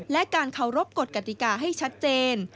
และการเคารพกฎกติกาให้ชัดเจน